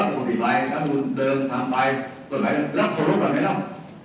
ก็ปฏิบัติถ้าคุณเดินทางไปส่วนใหม่แล้วแล้วขอรับก่อนไหมเนี่ย